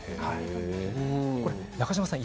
中島さん